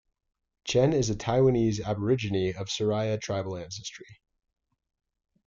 Chen is a Taiwanese aborigine of Siraya tribal ancestry.